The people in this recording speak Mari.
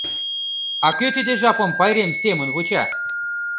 А кӧ тиде жапым пайрем семын вуча?